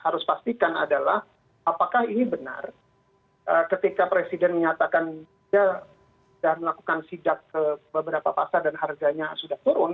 jadi yang saya ingin perhatikan adalah apakah ini benar ketika presiden menyatakan dan melakukan sidak ke beberapa pasar dan harganya sudah turun